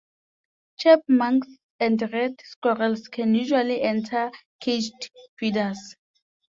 Chipmunks and red squirrels can usually enter caged feeders.